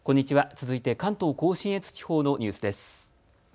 続いて関東甲信越地方のニュースです。